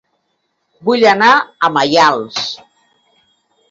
Vull anar a Maials